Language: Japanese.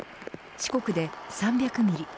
四国で３００ミリ